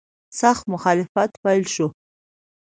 سخت مخالفت پیل شو.